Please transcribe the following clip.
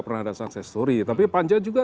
pernah ada sukses story tapi panja juga